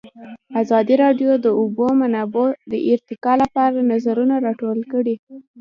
ازادي راډیو د د اوبو منابع د ارتقا لپاره نظرونه راټول کړي.